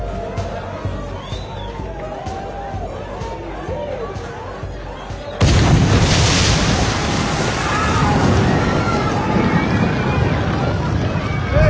おい！